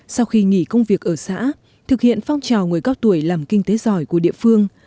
sau khi nghỉ công việc ở xã thực hiện phong trào người cao tuổi làm kinh tế giỏi của địa phương